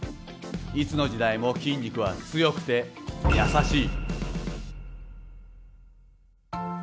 いつの時代も筋肉は強くて優しい。